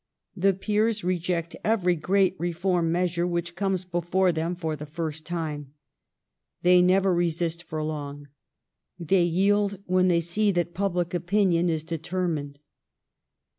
The peers reject every great reform measure which comes before them for the first time. They never resist for long. They yield when they see that public opinion is determined.